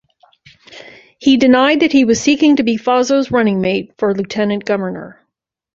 He denied that he was seeking to be Faso's running mate for lieutenant governor.